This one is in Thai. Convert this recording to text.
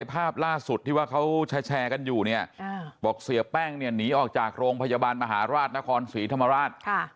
ภาพล่าสุดที่ว่าเขาแชร์กันอยู่เนี่ยบอกเสียแป้งเนี่ยหนีออกจากโรงพยาบาลมหาราชนครศรีธรรมราช